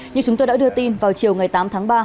như chúng tôi đã đưa tin vào chiều ngày tám tháng ba